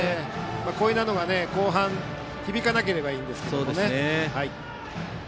こういうのが後半響かないといいですけど。